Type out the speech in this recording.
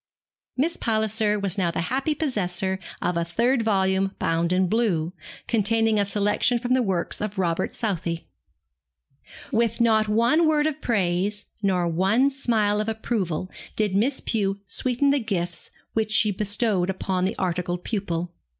Miss Palliser was now the happy possessor of a third volume bound in blue, containing a selection from the works of Robert Southey. With not one word of praise nor one smile of approval did Miss Pew sweeten the gifts which she bestowed upon the articled pupil.